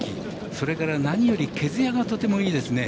それから何より毛づやがとてもいいですね。